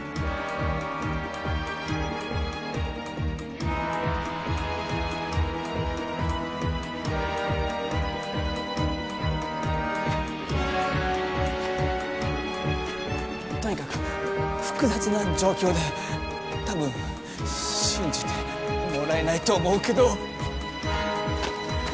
ピッとにかく複雑な状況で多分信じてもらえないと思うけど。